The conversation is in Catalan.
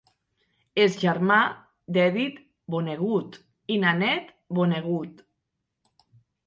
És germà de Edith Vonnegut i Nanette Vonnegut.